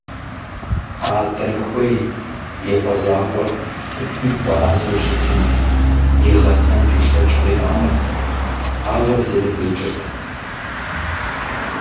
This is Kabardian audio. Адэр хуейт и къуэ закъуэр сытми хуэӀэзэу щытыну, игъэсэнкӀи лъэкӀ къигъанэртэкъым, ауэ зыри къикӀыртэкъым.